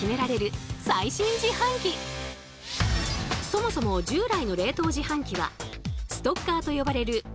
そもそも従来の冷凍自販機はストッカーと呼ばれる商品を収める